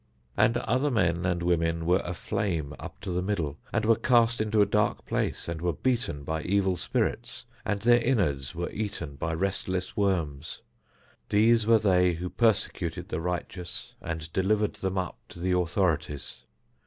And other men and women were aflame up to the middle, and were cast into a dark place and were beaten by evil spirits, and their inwards were eaten by restless worms. These were they who persecuted the righteous and delivered them up to the authorities.